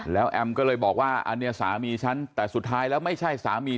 แล้วแอมก็เลยบอกว่าอันนี้สามีฉันแต่สุดท้ายแล้วไม่ใช่สามี